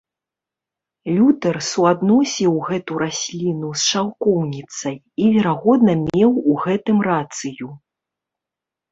Лютэр суадносіў гэту расліну з шаўкоўніцай, і, верагодна, меў у гэтым рацыю.